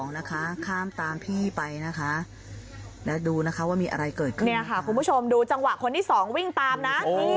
นี่คุณผู้ชมดูจังหวะคนที่สองวิ่งตามนะ